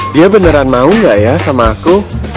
dia beneran mau gak ya sama aku